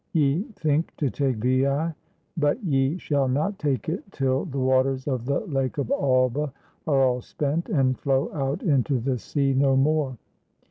ye think to take Veii; but ye shall not take it till the waters of the lake of Alba are all spent, and flow out into the sea no more."